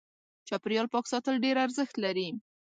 چاپېريال پاک ساتل ډېر ارزښت لري.